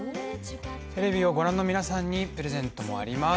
テレビを御覧の皆さんにプレゼントもあります。